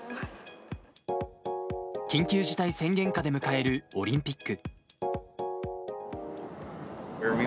緊急事態宣言下で迎えるオリンピック。